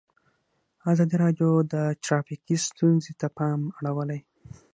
ازادي راډیو د ټرافیکي ستونزې ته پام اړولی.